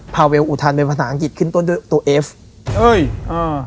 เวลอุทานเป็นภาษาอังกฤษขึ้นต้นด้วยตัวเอฟเอ้ยอ่า